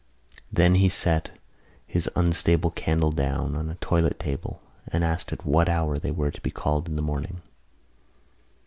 Then he set his unstable candle down on a toilet table and asked at what hour they were to be called in the morning.